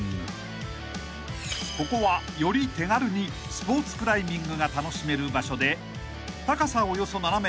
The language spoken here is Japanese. ［ここはより手軽にスポーツクライミングが楽しめる場所で］